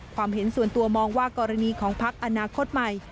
ความเห็นส่วนตัวมองว่ากรณีของพักอนาคตใหม่